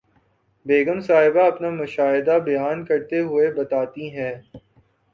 بیگم صاحبہ اپنا مشاہدہ بیان کرتے ہوئے بتاتی ہیں